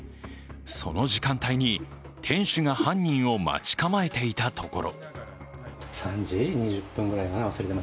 その時間帯に店主が犯人を待ち構えていたところ